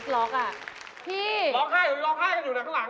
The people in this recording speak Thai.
เออล๊อคไห้กันอยู่ดานข้างหลัง